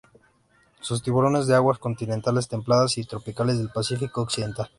Son tiburones de aguas continentales templadas y tropicales del Pacífico occidental.